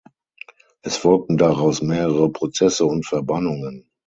Es folgten daraus mehrere Prozesse und Verbannungen.